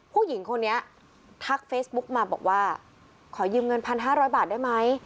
ผู้หญิงคนนี้ทักเฟซบุ๊กมาบอกว่าขอยืมเงิน๑๕๐๐บาทได้ไหม